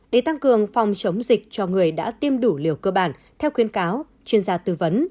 để tăng cường phòng chống dịch cho người đã tiêm đủ liều cơ bản theo khuyến cáo chuyên gia tư vấn